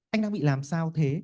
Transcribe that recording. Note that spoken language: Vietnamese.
anh đang bị làm sao thế